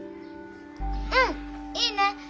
うんいいね。